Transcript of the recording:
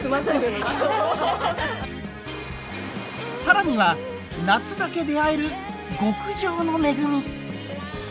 更には夏だけ出会える極上の恵み。